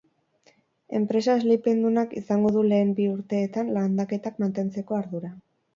Enpresa esleipendunak izango du lehen bi urteetan landaketak mantentzeko ardura.